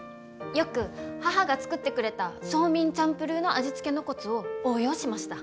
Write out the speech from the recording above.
よく母が作ってくれたソーミンチャンプルーの味付けのコツを応用しました。